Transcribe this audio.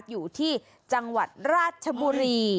อยู่ที่จังหวัดราชบุรี